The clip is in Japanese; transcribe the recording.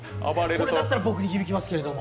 これだったら僕、響きますけども。